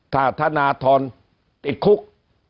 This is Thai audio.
ถ้าธนทรติดคุก